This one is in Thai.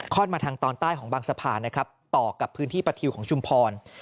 มาทางตอนใต้ของบางสะพานนะครับต่อกับพื้นที่ประทิวของชุมพร